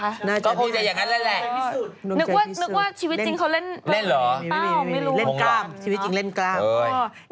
ก็คงจะอย่างนั้นแหละนึกว่าชีวิตจริงเขาเล่นเล่นหรอเล่นกล้ามชีวิตจริงเล่นกล้าม